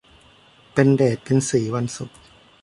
เป็นเดชเป็นศรีวันศุกร์